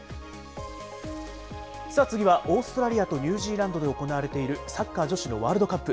さあ次は、オーストラリアとニュージーランドで行われているサッカー女子のワールドカップ。